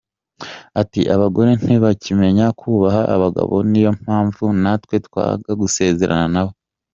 Ati “Abagore ntibakimenya kubaha abagabo niyo mpamvu natwe twanga gusezerana nabo.